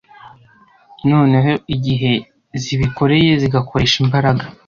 noneho igihe zibikoreye zigakoresha imbaraga